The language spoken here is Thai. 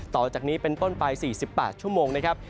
ต่อจากนี้เป็นต้นไป๔๘ชั่วโมงนะครับ